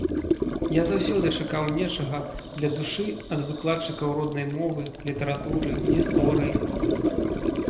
Я заўсёды чакаў нечага для душы ад выкладчыкаў роднай мовы, літаратуры, гісторыі.